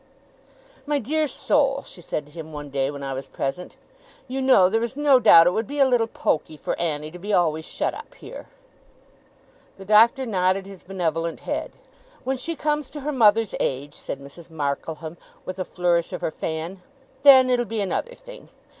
'My dear soul,' she said to him one day when I was present, 'you know there is no doubt it would be a little pokey for Annie to be always shut up here.' The Doctor nodded his benevolent head. 'When she comes to her mother's age,' said Mrs. Markleham, with a flourish of her fan, 'then it'll be another thing.